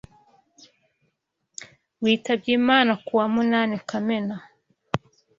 witabye Imana ku wa munani Kamena